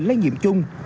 lây nhiệm chung